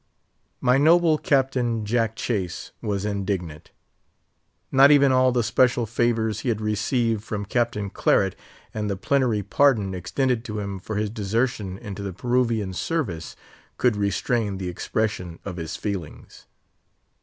My noble captain, Jack Chase, was indignant. Not even all the special favours he had received from Captain Claret, and the plenary pardon extended to him for his desertion into the Peruvian service, could restrain the expression of his feelings.